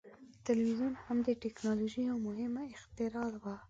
ټلویزیون هم د ټیکنالوژۍ یو مهم اختراع وه.